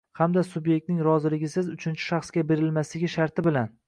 hamda subyektlarning roziligisiz uchinchi shaxsga berilmasligi sharti bilan;